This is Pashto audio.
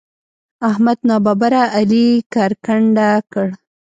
احمد ناببره علي کرکنډه کړ.